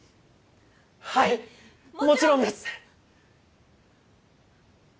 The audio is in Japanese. はいもちろんです